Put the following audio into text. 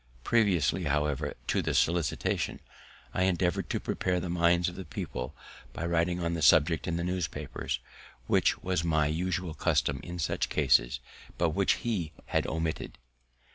Previously, however, to the solicitation, I endeavoured to prepare the minds of the people by writing on the subject in the newspapers, which was my usual custom in such cases, but which he had omitted.